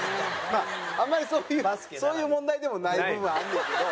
あんまりそういう問題でもない部分はあんねんけど。